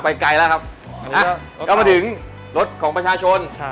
ไปไก่แล้วครับมาถึงรถของประชาชน